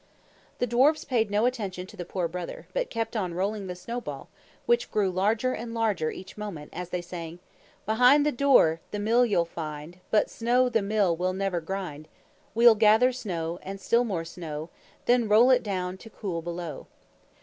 The dwarfs paid no attention to the Poor Brother, but kept on rolling the snowball, which grew larger and larger each moment, as they sang, "Behind the door The Mill you'll find, But snow, the Mill Will never grind. We'll gather snow, And still more snow, Then roll it down To cool Below."